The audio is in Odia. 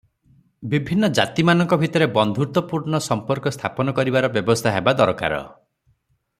ବିଭିନ୍ନ ଜାତିମାନଙ୍କ ଭିତରେ ବନ୍ଧୁତାପୂର୍ଣ୍ଣ ସମ୍ପର୍କ ସ୍ଥାପନ କରିବାର ବ୍ୟବସ୍ଥା ହେବା ଦରକାର ।